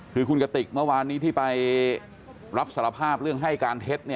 คือคุณกติกเมื่อวานนี้ที่ไปรับสารภาพเรื่องให้การเท็จ